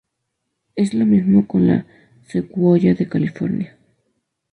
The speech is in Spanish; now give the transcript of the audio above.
Es lo mismo con la secuoya de California.